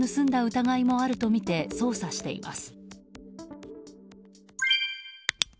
疑いもあるとみて捜査しています。